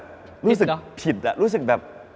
พิษเหรออเจมส์รู้สึกผิดล่ะรู้สึกแบบ